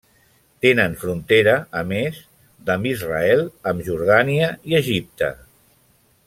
Tenen frontera, a més d'amb Israel, amb Jordània i Egipte.